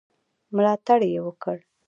ملاتړ یې وکړ.